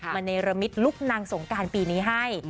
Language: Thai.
มาในระมิดลูกนางสงการปีนี้ให้